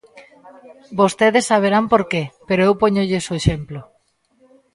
Vostedes saberán por que, pero eu póñolles o exemplo.